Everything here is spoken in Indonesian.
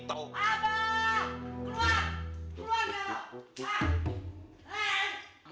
abah keluang keluang dong